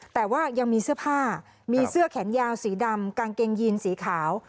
แต่ว่ายังมีเสื้อผ้ามีเสื้อแขนยาวสีดำกางเกงยีนสีขาว